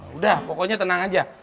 udah pokoknya tenang aja